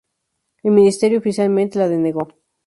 El Ministerio oficialmente la denegó.